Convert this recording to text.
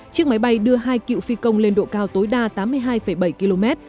chiếc máy bay đưa hai cựu phi công lên độ cao tối đa tám mươi hai bảy km